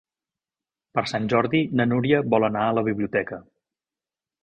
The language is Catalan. Per Sant Jordi na Núria vol anar a la biblioteca.